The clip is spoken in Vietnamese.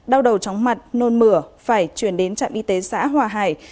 đau đầu chóng mặt nôn mửa phải chuyển đến trạm y tế xã hòa hải